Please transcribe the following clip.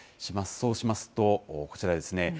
そうしますと、こちらですね。